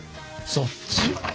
そっち？